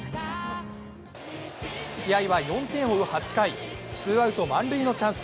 試合は４点を追う８回、ツーアウト満塁のチャンス。